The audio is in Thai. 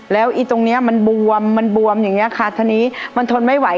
แล้วอีตรงเนี้ยมันบวมมันบวมอย่างนี้ค่ะทีนี้มันทนไม่ไหว